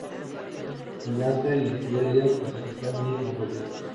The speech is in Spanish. En Asia en Siberia, Kazajistán y Mongolia.